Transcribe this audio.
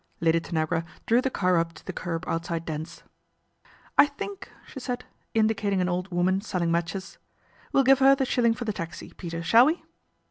Lady Tanagra drew the car up to the curb out side Dent's. " I think " she said, indicating an old woman selling matches, " we'll give her the shilling for the taxi Peter, shall we